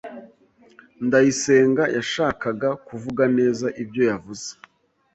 Ndayisenga yashakaga kuvuga neza ibyo yavuze.